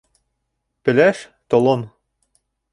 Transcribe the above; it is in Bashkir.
Пеләш, толом.